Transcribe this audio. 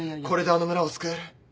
これであの村を救える。